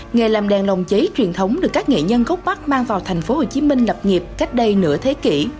nghề làm đèn lồng cháy truyền thống được các nghệ nhân gốc bắc mang vào thành phố hồ chí minh lập nghiệp cách đây nửa thế kỷ